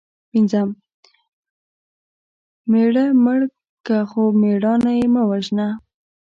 پنځم:مېړه مړ که خو مړانه یې مه وژنه